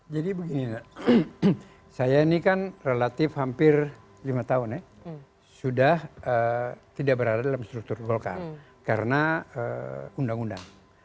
jadi begini saya ini kan relatif hampir lima tahun ya sudah tidak berada dalam struktur volkan karena undang undang